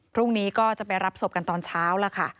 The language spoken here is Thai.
พรุ่งนี้ก็จะไปรับศพกันตอนเช้าแล้วค่ะ